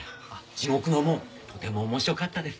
『地獄の門』とても面白かったです。